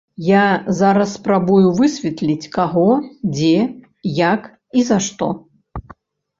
Я зараз спрабую высветліць, каго, дзе, як і за што.